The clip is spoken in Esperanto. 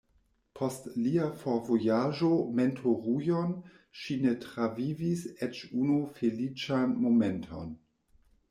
Post lia forvojaĝo Mentorujon ŝi ne travivis eĉ unu feliĉan momenton.